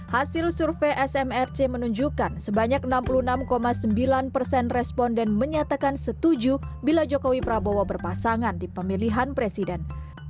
hasil survei smrc menunjukkan sebanyak enam puluh enam sembilan persen responden menyatakan setuju bila jokowi prabowo berpasangan di pemilihan presiden